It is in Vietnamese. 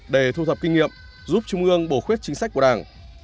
để thu thập kinh nghiệm giúp trung ương bổ khuyết chính sách của đảng